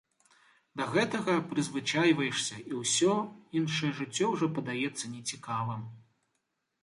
Да гэтага прызвычайваешся і ўсё, іншае жыццё ўжо падаецца нецікавым.